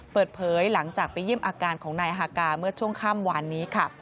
เปิดเผยหลังจากไปเยี่ยมอาการของนายฮากาเมื่อช่วงค่ำวานนี้ค่ะ